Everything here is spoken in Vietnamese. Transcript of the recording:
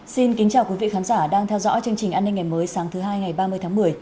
xin kính chào quý vị khán giả đang theo dõi chương trình an ninh ngày mới sáng thứ hai ngày ba mươi tháng một mươi